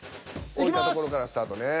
置いたところからスタートね。